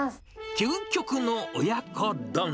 究極の親子丼。